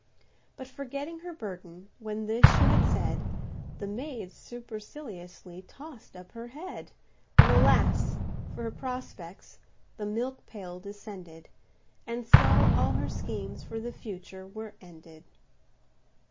But forgetting her burden, when this she had said, The maid superciliously toss'd up her head When alas! for her prospects—the milk pail descended! And so all her schemes for the future were ended.